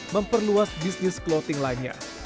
memperluas bisnis clothing lainnya